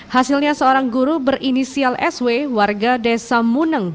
hasilnya seorang guru berinisial sw warga desa muneng